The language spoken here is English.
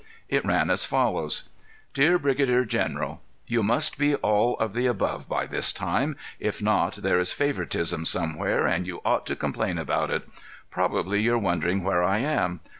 It ran as follows: DEAR BRIGADIER GENERAL,—You must be all of the above by this time; if not, there is favoritism somewhere and you ought to complain about it. Probably you're wondering where I am.